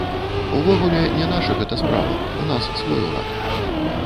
Увогуле, не наша гэта справа, у нас свой урад.